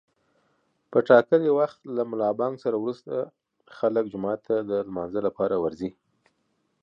په ټاکلي وخت له ملابانګ روسته خلک جومات ته د لمانځه لپاره ورځي.